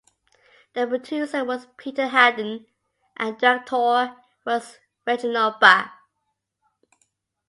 The producer was Peter Haddon and the director was Reginald Bach.